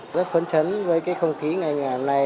rất phấn chấn với cái không khí ngày ngày hôm nay